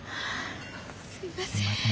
すいません。